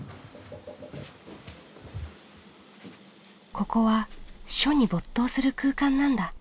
ここは書に没頭する空間なんだ。